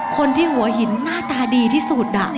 คนที่หัวหินหน้าตาดีที่สุด